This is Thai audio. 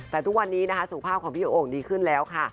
แต่ทุกวันนี้นะคะสุขภาพของพี่โอ่งดีขึ้นแล้วค่ะ